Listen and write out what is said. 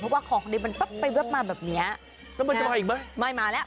เพราะว่าของดีมันแป๊บไปแป๊บมาแบบเนี้ยแล้วมันจะมาอีกไหมไม่มาแล้ว